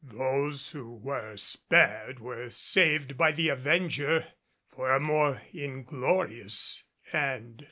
Those who were spared were saved by the Avenger for a more inglorious end.